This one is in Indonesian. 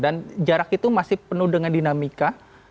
dan jarak itu masih penuh dengan dinamika